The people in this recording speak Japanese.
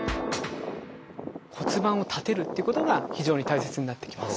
骨盤を立てるってことが非常に大切になってきます。